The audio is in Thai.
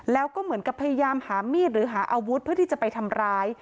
แล้วก็เหมือนกับพยายามหามีดหรือหาอาวุธเพื่อที่จะไปทำร้าย